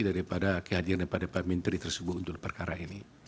daripada kehadiran daripada pak menteri tersebut untuk perkara ini